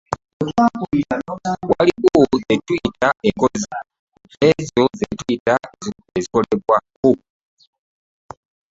Waliwo ze tuyita enkozi n’ezo ze tuyita ezikolebwako.